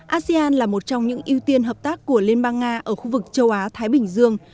asean là một trong những ưu tiên hợp tác của liên bang nga ở khu vực châu á thái bình dương